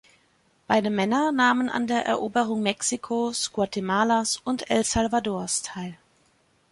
Beide Männer nahmen an der Eroberung Mexikos, Guatemalas und El Salvadors teil.